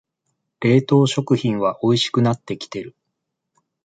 冷凍食品はおいしくなってきてる